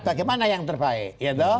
bagaimana yang terbaik